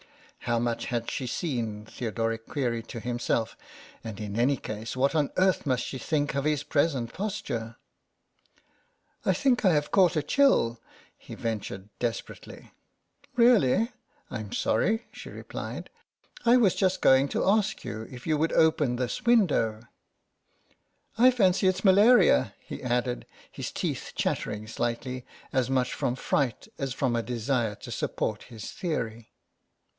How much had she seen, Theodoric queried to himself, and in any case what on earth must she think of his present posture ?" I think I have caught a chill," he ventured desperately. " Really, Tm sorry," she replied. " I was just going to ask you if you would open this window.'* THE MOUSE 121 " I fancy it's malaria/' he added, his teeth chattering slightly, as much from fright as from a desire to support his theory.